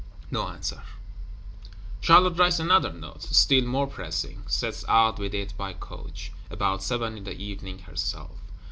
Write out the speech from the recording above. No answer. Charlotte writes another Note, still more pressing; sets out with it by coach, about seven in the evening, herself.